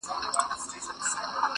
زه به منګی په لپو ورو ورو ډکومه!.